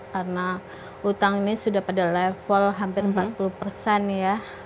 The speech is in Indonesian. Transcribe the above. karena utang ini sudah pada level hampir empat puluh ya